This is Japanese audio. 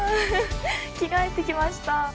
着替えてきました！